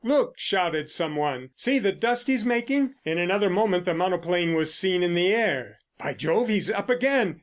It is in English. Look!" shouted some one. "See the dust he's making!" In another moment the monoplane was seen in the air. "By Jove, he's up again.